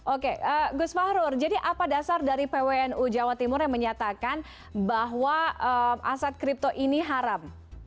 oke gus fahrur jadi apa dasar dari pwnu jawa timur yang menyatakan bahwa aset kripto ini haram